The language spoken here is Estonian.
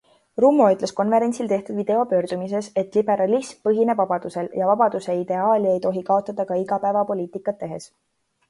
Rummo ütles konverentsil tehtud videopöördumises, et liberalism põhineb vabadusel ja vabaduse ideaali ei tohi kaotada ka igapäevapoliitikat tehes.